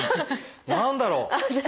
何だろう？